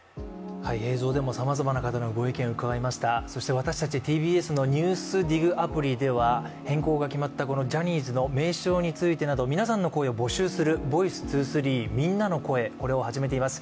私たちＴＢＳの「ＮＥＷＳＤＩＧ」アプリでは、変更が決まったジャニーズの名称についてなど皆さんの声を募集する「ｖｏｉｃｅ２３みんなの声」を始めています。